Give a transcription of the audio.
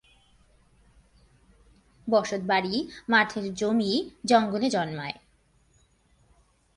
বসতবাড়ি, মাঠের জমি, জঙ্গলে জন্মায়।